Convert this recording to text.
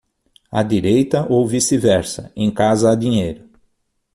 À direita ou vice-versa, em casa há dinheiro.